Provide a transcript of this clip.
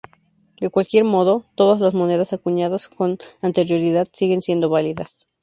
De cualquier modo, todas las monedas acuñadas con anterioridad siguen siendo válidas.